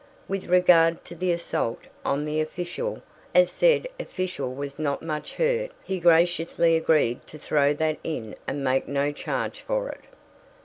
With regard to the assault on the official, as said official was not much hurt, he graciously agreed to throw that in and make no charge for it.